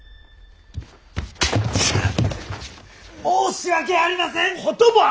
申し訳ありません！